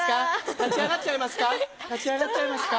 立ち上がっちゃいますか？